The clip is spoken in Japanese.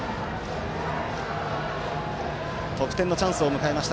得点のチャンスを迎えました